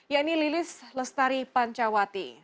yaitu lilis lestari pancawati